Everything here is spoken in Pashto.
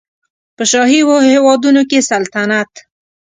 په شاهي هېوادونو کې سلطنت